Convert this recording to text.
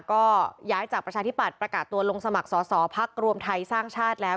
ก็ย้ายจากประชาธิปัตย์ประกาศตัวลงสมัครสอสอพักรวมไทยสร้างชาติแล้ว